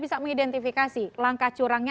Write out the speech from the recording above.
bisa mengidentifikasi langkah curangnya